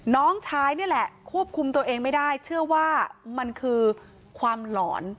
น้องชายนี่แหละควบคุมตัวเองไม่ได้เชื่อว่ามันคือความหลอน